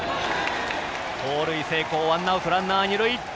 盗塁成功ワンアウトランナー、二塁。